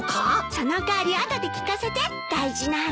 その代わり後で聞かせて大事な話。